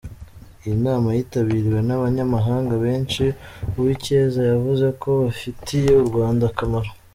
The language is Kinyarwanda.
Iyi nama yitabiriwe n’abanyamahanga benshi, Uwicyeza yavuze ko bafitiye u Rwanda akamaro.